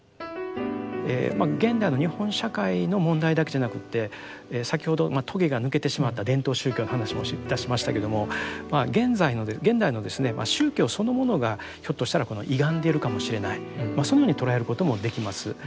現代の日本社会の問題だけじゃなくって先ほど棘が抜けてしまった伝統宗教の話もいたしましたけども現代の宗教そのものがひょっとしたら歪んでいるかもしれないそのように捉えることもできます。